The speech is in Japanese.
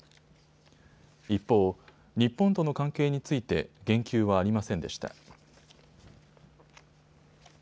一方、日本との関係について言及はありませんでした。